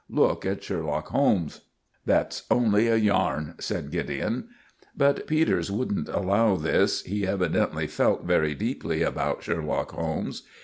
Look at Sherlock Holmes." "That's only a yarn," said Gideon. But Peters wouldn't allow this. He evidently felt very deeply about Sherlock Holmes.